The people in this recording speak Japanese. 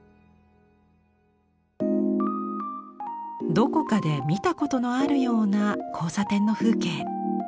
どこかで見たことのあるような交差点の風景。